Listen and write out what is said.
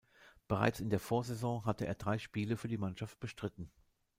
Bereits in der Vorsaison hatte er drei Spiele für die Mannschaft bestritten.